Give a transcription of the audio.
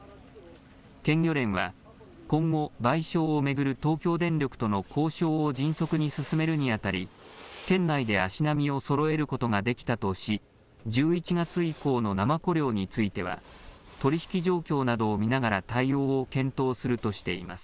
県漁連は今後、賠償を巡る東京電力との交渉を迅速に進めるにあたり、県内で足並みをそろえることができたとし、１１月以降のナマコ漁については、取り引き状況などを見ながら対応を検討するとしています。